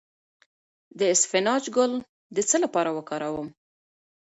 د اسفناج ګل د څه لپاره وکاروم؟